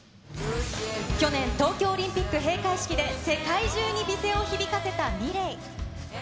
去年、東京オリンピック閉会式で、世界中に美声を響かせたｍｉｌｅｔ。